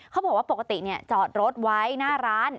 เขาบอกว่าปกติจอดรถไว้หน้าร้าน